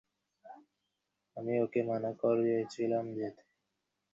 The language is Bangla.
তুমি নিজেও এখন গোড়া থেকে সমস্ত ব্যাপারটি নিয়ে চিন্তা করবে।